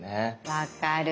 分かる。